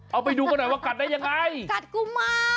เอาไปดูกันหน่อยว่ากัดได้ยังไงกัดกุมา